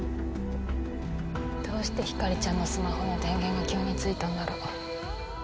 どうして光莉ちゃんのスマホの電源が急についたんだろう？